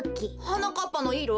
はなかっぱのいろ？